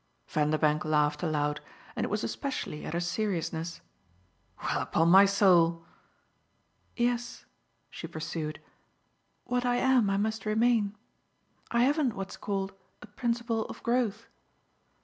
Vanderbank laughed aloud, and it was especially at her seriousness. "Well, upon my soul!" "Yes," she pursued, "what I am I must remain. I haven't what's called a principle of growth."